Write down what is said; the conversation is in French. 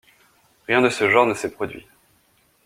Rien de ce genre ne s'est produit.